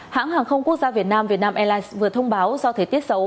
hãng hàng không quốc gia việt nam việt nam airlines vừa thông báo do thế tiết xấu